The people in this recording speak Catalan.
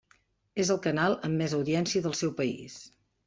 És el canal amb més audiència del seu país.